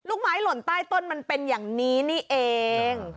ไม้หล่นใต้ต้นมันเป็นอย่างนี้นี่เอง